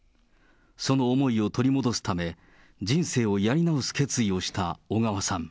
その思いを取り戻すため、人生をやり直す決意をした小川さん。